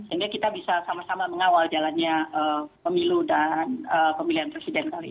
sehingga kita bisa sama sama mengawal jalannya